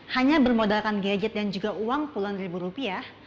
hanya bermodalkan gadget dan juga uang puluhan ribu rupiah